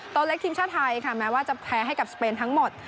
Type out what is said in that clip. ตัวเล็กทีมชาติไทยค่ะแม้ว่าจะแพ้ให้กับสเปนทั้งหมด